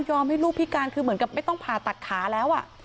ให้ลูกพิการคือเหมือนกับไม่ต้องผ่าตัดขาแล้ว